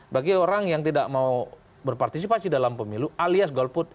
bagi orang yang tidak mau berpartisipasi dalam pemilu alias golput